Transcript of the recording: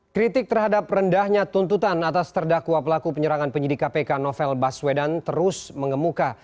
kritik terhadap rendahnya tuntutan atas terdakwa pelaku penyerangan penyidik kpk novel baswedan terus mengemuka